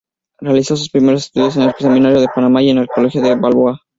Realizó sus primeros estudios en el Seminario de Panamá y en el Colegio Balboa.